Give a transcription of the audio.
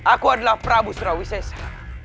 aku adalah prabu surawi sesa